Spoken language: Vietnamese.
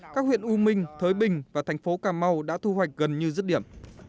các huyện u minh thới bình và thành phố cà mau đã thu hoạch gần như dứt điểm